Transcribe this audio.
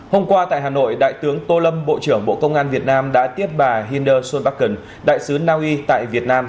hôm qua tại hà nội đại tướng tô lâm bộ trưởng bộ công an việt nam đã tiếp bà hinder solvaken đại sứ naui tại việt nam